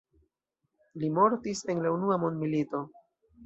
Li mortis en la Unua mondmilito.